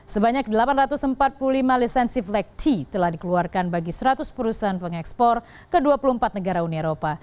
sebanyak delapan ratus empat puluh lima lisensi flegt telah dikeluarkan bagi seratus perusahaan pengekspor ke dua puluh empat negara uni eropa